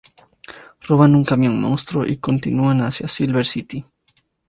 Roban un camión monstruo y continúan hacia Silver City.